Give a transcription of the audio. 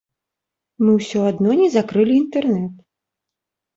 Мы ўсё адно не закрылі інтэрнэт.